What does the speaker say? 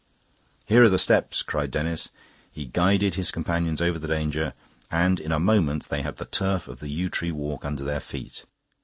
"Here are the steps," cried Denis. He guided his companions over the danger, and in a moment they had the turf of the yew tree walk under their feet.